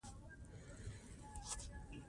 هر افغان د خپل وطن ساتونکی دی.